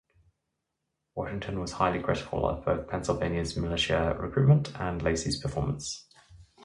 Washington was highly critical of both Pennsylvania's militia recruitment and Lacey's performance.